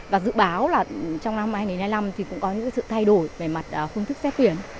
và dự báo là trong năm hai nghìn hai mươi năm thì cũng có những sự thay đổi về mặt phương thức xét tuyển